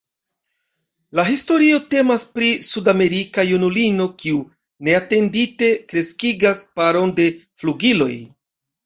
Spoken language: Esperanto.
La historio temas pri sudamerika junulino kiu neatendite kreskigas paron de flugiloj.